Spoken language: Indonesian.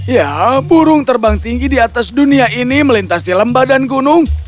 ya burung terbang tinggi di atas dunia ini melintasi lembah dan gunung